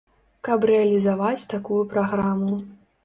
Каб рэалізаваць такую праграму.